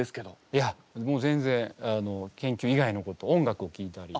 いやもう全然研究以外のこと音楽をきいたり。